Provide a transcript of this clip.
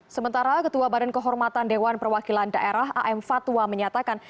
sementara ketua badan kehormatan dewan perwakilan daerah am fatwa menyatakan